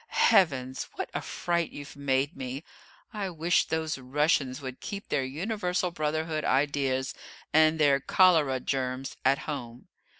"Heavens! what a fright you've made me! I wish those Russians would keep their universal brotherhood ideas, and their cholera germs, at home."